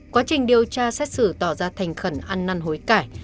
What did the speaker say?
quá trình điều tra xét xử tỏ ra thành khẩn ăn năn hối cải